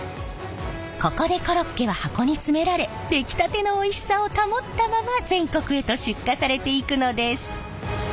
ここでコロッケは箱に詰められ出来たてのおいしさを保ったまま全国へと出荷されていくのです。